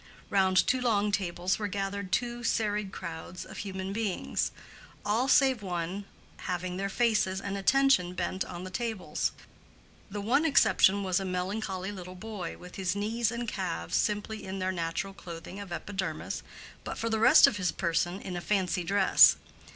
Round two long tables were gathered two serried crowds of human beings, all save one having their faces and attention bent on the tables. The one exception was a melancholy little boy, with his knees and calves simply in their natural clothing of epidermis, but for the rest of his person in a fancy dress.